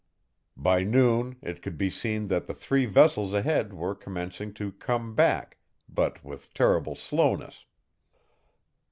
By noon it could be seen that the three vessels ahead were commencing to come back, but with terrible slowness.